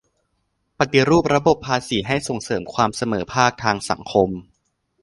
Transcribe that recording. ปฏิรูประบบภาษีให้ส่งเสริมความเสมอภาคทางสังคม